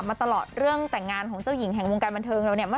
กดอย่างวัยจริงเห็นพี่แอนทองผสมเจ้าหญิงแห่งโมงการบันเทิงไทยวัยที่สุดค่ะ